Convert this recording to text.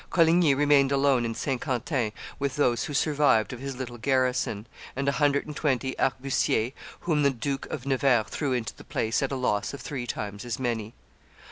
Coligny remained alone in Saint Quentin with those who survived of his little garrison, and a hundred and twenty arquebusiers whom the Duke of Nevers threw into the place at a loss of three times as many.